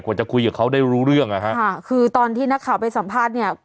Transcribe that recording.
จะคุยกับเขาได้รู้เรื่องอ่ะฮะค่ะคือตอนที่นักข่าวไปสัมภาษณ์เนี่ย